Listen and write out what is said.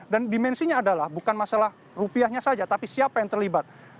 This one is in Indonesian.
dan dimensinya adalah bukan masalah rupiahnya saja tapi siapa yang terlibat